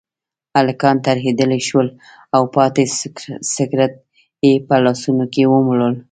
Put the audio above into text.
هلکان ترهېدلي شول او پاتې سګرټ یې په لاسونو کې ومروړل.